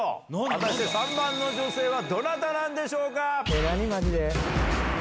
果たして３番の女性は、どなたなんでしょうか。